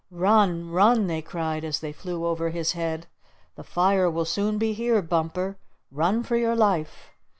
"Run! Run!" they cried as they flew over his head. "The fire will soon be here, Bumper! Run for your life!"